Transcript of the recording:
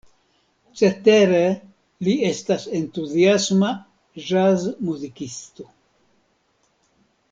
Cetere li estas entuziasma ĵaz-muzikisto.